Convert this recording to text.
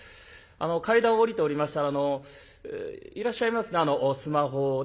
階段を下りておりましたらいらっしゃいますねスマホをね